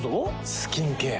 スキンケア。